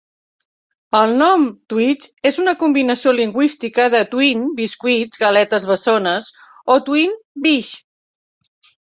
El nom Twix és una combinació lingüística de twin biscuits (galetes bessones), o "twin bix".